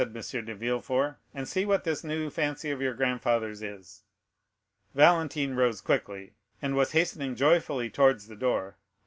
de Villefort, "and see what this new fancy of your grandfather's is." Valentine rose quickly, and was hastening joyfully towards the door, when M.